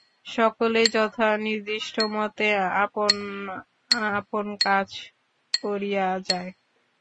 সকলেই যথানির্দিষ্টমতে আপন আপন কাজ করিয়া যায়।